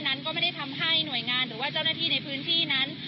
นั้นก็ไม่ได้ทำให้หน่วยงานหรือว่าเจ้าหน้าที่ในพื้นที่นั้น